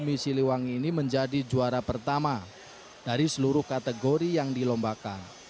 kami siliwangi ini menjadi juara pertama dari seluruh kategori yang dilombakan